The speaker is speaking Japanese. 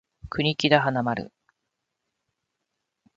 国木田花丸